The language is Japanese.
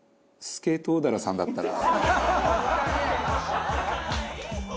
スケトウダラさんだったら。